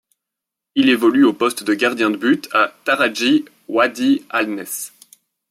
Il évolue au poste de gardien de but à Taraji Wadi Al-Nes.